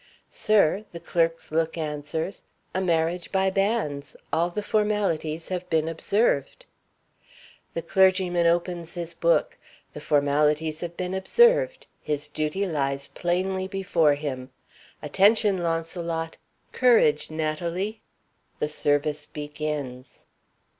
"Sir" (the clerk's look answers), "a marriage by banns; all the formalities have been observed." The clergyman opens his book. The formalities have been observed; his duty lies plainly before him. Attention, Launcelot! Courage, Natalie! The service begins.